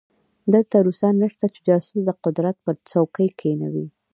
دلته روسان نشته چې جاسوس د قدرت پر څوکۍ کېنوي.